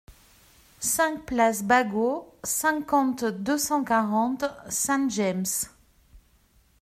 cinq place Bagot, cinquante, deux cent quarante, Saint-James